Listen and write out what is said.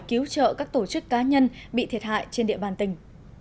cứu trợ các tổ chức cá nhân bị thiệt hại trên địa bàn tỉnh